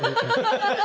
ハハハ！